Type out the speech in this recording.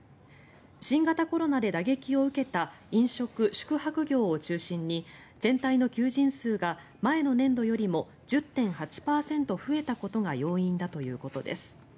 新型コロナで打撃を受けた飲食・宿泊業を中心に全体の求人数が前の年度よりも１０．８％増えたことが要因だということです。